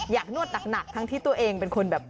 นวดหนักทั้งที่ตัวเองเป็นคนแบบ